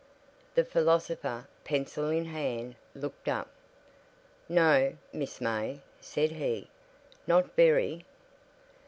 The philosopher, pencil in hand, looked up. "No, Miss May," said he, "not very."